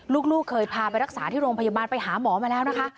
ลูกเคยพาไปรักษาที่โรงพยาบาลไปหาหมอมาแล้วนะคะ